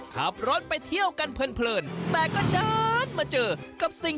ขับรถไปเที่ยวกันเพลิน